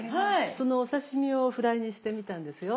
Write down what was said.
そのお刺身をフライにしてみたんですよ。